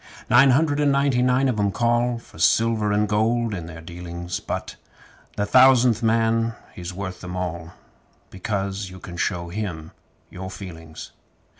Nine hundred and ninety nine of 'em call For silver and gold in their dealings; But the Thousandth Man he's worth 'em all, Because you can show him your feelings!